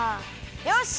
よし！